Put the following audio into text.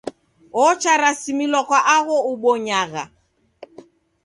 Ocharasimilwa kwa agho ubonyagha.